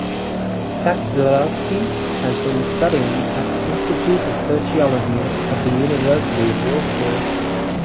Kaczorowski has been studying at the Institute of Sociology of the University of Warsaw.